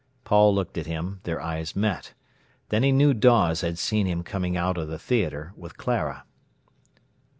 Paul looked at him; their eyes met. Then he knew Dawes had seen him coming out of the theatre with Clara.